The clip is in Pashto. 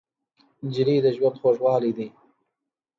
نجلۍ د ژوند خوږوالی دی.